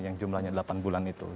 yang jumlahnya delapan bulan itu